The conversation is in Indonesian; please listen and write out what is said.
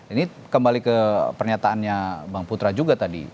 ini kembali ke pernyataannya bang putra juga tadi